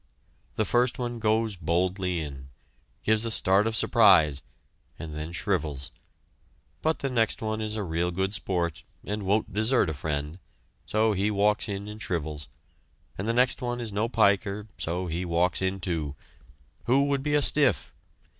The first one goes boldly in, gives a start of surprise, and then shrivels, but the next one is a real good sport, and won't desert a friend, so he walks in and shrivels, and the next one is no piker, so walks in, too. Who would be a stiff?